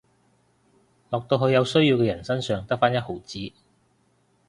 落到去有需要嘅人身上得返一毫子